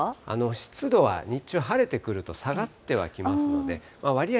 湿度は日中、晴れてくると下がってはきますので、割合